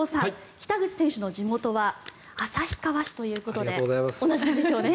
北口選手の地元は旭川市ということで同じなんですよね。